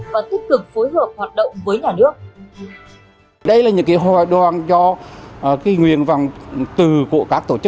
và tích cực phối hợp hoạt động với nhà nước